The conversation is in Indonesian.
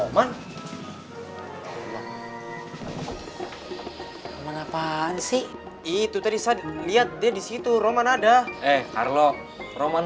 roman apaan sih itu tadi saya lihat dia disitu roman ada eh carlo roman